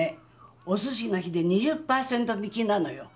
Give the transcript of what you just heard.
「おすしの日」で２０％引きなのよ。